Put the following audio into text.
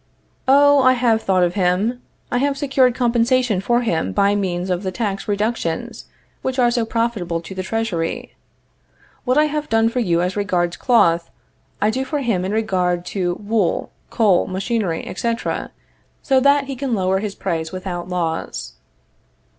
Oh, I have thought of him. I have secured compensation for him by means of the tax reductions which are so profitable to the Treasury. What I have done for you as regards cloth, I do for him in regard to wool, coal, machinery, etc., so that he can lower his price without loss.